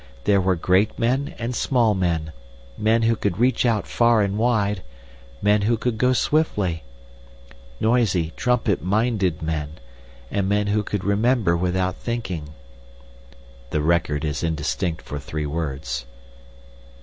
There were great men and small men, men who could reach out far and wide, men who could go swiftly; noisy, trumpet minded men, and men who could remember without thinking....'" [The record is indistinct for three words.